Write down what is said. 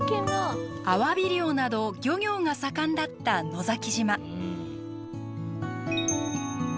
アワビ漁など漁業が盛んだった野崎島。